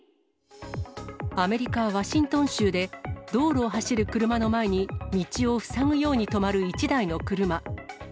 アメリカ・ワシントン州で道路を走る車の前に、道を塞ぐように止まる１台の車。